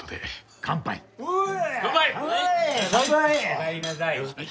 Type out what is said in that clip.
おかえりなさい。